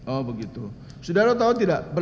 oh begitu sudara tahu tidak